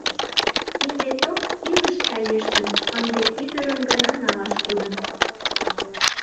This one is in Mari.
Кинде ток, илыш саештын, ынде ӱдырым гына налаш кодын.